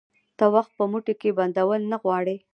ته وخت په موټې کي بندول نه غواړي